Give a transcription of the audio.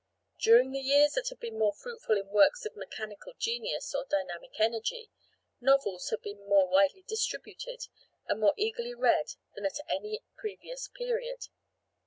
During the years which have been more fruitful in works of mechanical genius or dynamic energy, novels have been more widely distributed and more eagerly read than at any previous period.